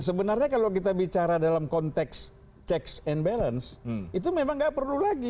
sebenarnya kalau kita bicara dalam konteks checks and balance itu memang nggak perlu lagi